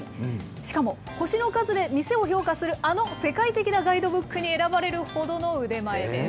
しかも星の数で店を評価する、あの世界的なガイドブックに選ばれるほどの腕前です。